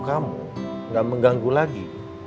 kamu enggak mengganggu lagi